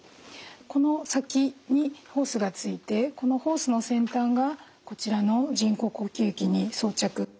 この先にホースがついてこのホースの先端がこちらの人工呼吸器に装着。